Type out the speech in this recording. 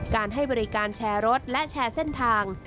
ให้บริการแชร์รถและแชร์เส้นทาง